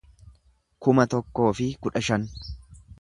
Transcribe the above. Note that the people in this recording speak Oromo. kuma tokkoo fi kudha shan